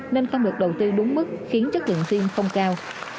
nên không được đầu tư đúng mức khiến chất lượng phim không cao